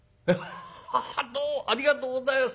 ハハッどうありがとうございます。